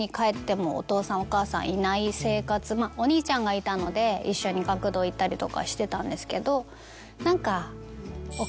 お兄ちゃんがいたので一緒に学童行ったりとかしてたんですけど。何か。